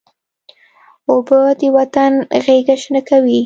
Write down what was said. اوبه د وطن غیږه شنه کوي.